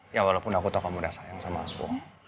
ya walaupun aku tau kamu udah sayang sama aku